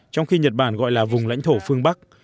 trong khi nhật bản gọi là vùng lãnh thổ phương bắc